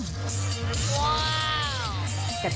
ขณะบังรายอาศัยเหงาจากกาลกลางรม